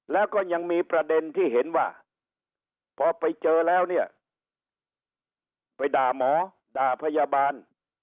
แล้วก็ยังมีประเด็นที่เห็นว่าพอไปเจอแล้วเนี่ยไปด่าหมอด่าพยาบาล